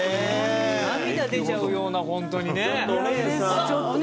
涙出ちゃうような本当にね。